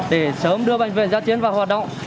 để sớm đưa bệnh viện ra chiến và hoạt động